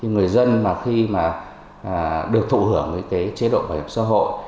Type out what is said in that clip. người dân khi được thụ hưởng với chế độ bảo hiểm xã hội